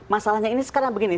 masalahnya ini sekarang begini